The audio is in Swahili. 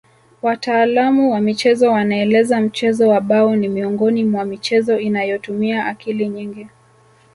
Wataalamu wa michezo wanaeleza mchezo wa bao ni miongoni mwa michezo inayotumia akili nyingi